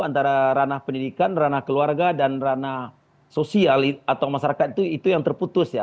antara ranah pendidikan ranah keluarga dan ranah sosial atau masyarakat itu yang terputus ya